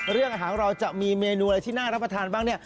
เรื่องอาหารเราจะมีเมนูอะไรที่น่ารับประทานบ้างเนี่ย